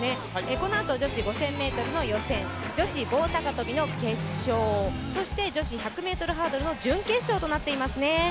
このあと女子５０００ｍの予選、女子棒高跳の決勝そして女子１００ｍハードルの準決勝となっていますね。